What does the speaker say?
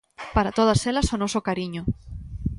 Para todas elas o noso cariño.